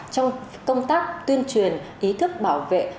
trong công tác tuyên truyền ý thức bảo vệ